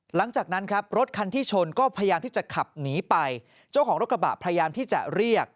หลังจากนั้นครับรถคันที่ชนก็พยายามที่จะขับหนีไปเจ้าของรถกระบะพยายามที่จะเรียก